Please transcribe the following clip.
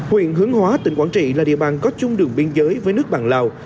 huyện hướng hóa tỉnh quảng trị là địa bàn có chung đường biên giới với nước bạn lào